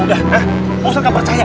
ustaz nggak percaya